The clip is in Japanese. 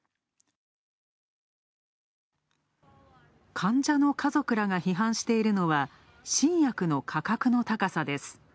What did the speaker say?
患者の家族らが批判しているのは、新薬の価格の高さです。